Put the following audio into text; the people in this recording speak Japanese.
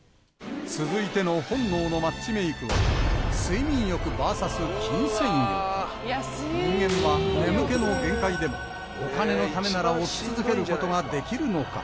続いての本能のマッチメイクは人間は眠気の限界でもお金のためなら起き続けることができるのか？